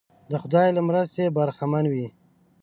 د خدای له مرستې برخمن وي.